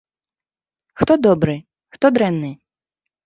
Хто добры, хто дрэнны?